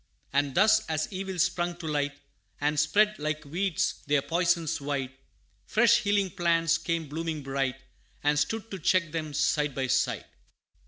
And thus, as evils sprung to light, And spread, like weeds, their poisons wide, Fresh healing plants came blooming bright, And stood, to check them, side by side.